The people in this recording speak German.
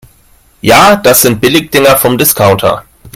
Ja, das sind Billigdinger vom Discounter.